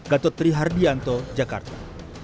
gatotri hardianto jakarta